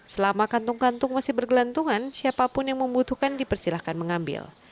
selama kantung kantung masih bergelantungan siapapun yang membutuhkan dipersilahkan mengambil